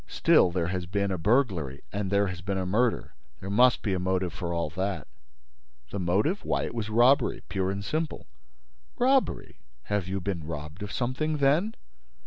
"Still, there has been a burglary and there has been a murder: there must be a motive for all that." "The motive? Why, it was robbery pure and simple." "Robbery? Have you been robbed of something, then?"